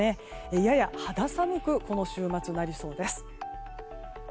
やや肌寒く、この週末はなりそうです。